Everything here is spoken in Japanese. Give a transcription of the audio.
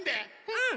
うん！